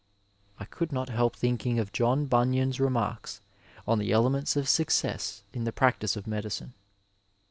I could not help thinking of John Bunyan's remarks on the elements of success in the prac tice of medicine.